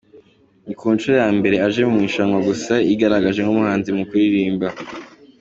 Ni ku nshuro ya mbere aje mu irushanwa gusa yigaragaje nk’umuhanga mu kuririmba.